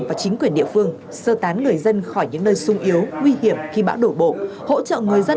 và chính quyền địa phương sơ tán người dân khỏi những nơi sung yếu nguy hiểm khi bão đổ bộ hỗ trợ người dân